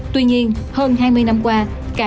tuy nhiên hơn hai mươi năm qua